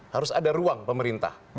harus ada ruang pemerintah